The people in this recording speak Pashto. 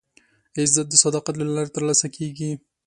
عزت د صداقت له لارې ترلاسه کېږي.